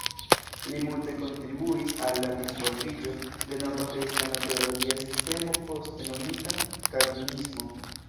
Li multe kontribuis al la disvolviĝo de nova kristana teologia sistemo poste nomita kalvinismo.